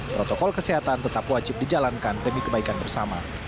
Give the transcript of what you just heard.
protokol kesehatan tetap wajib dijalankan demi kebaikan bersama